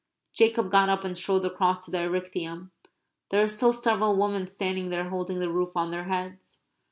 Jacob got up and strolled across to the Erechtheum. There are still several women standing there holding the roof on their heads.